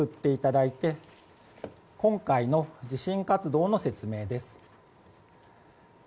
今回の地震活動の説明です。